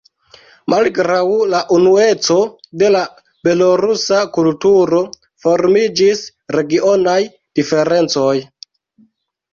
Malgraŭ la unueco de la belorusa kulturo formiĝis regionaj diferencoj.